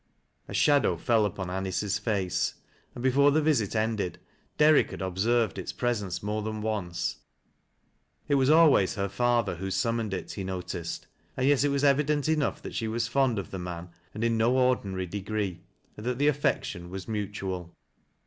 A shadow fell upon Aiiice's face, and before the visit ended, Derrick had observed its presence more than once, [t was always her father who summoned it, he noticed. And yet it was evident enough that she was fond of the mflJA, and in no ordinary degree, and that the affection was mutual.